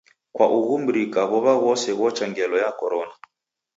Kwa ughu mrika w'ow'a ghose ghocha ngelo ya Korona.